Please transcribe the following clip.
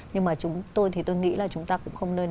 nhưng mà chúng tôi thì tôi nghĩ là chúng ta cũng không nên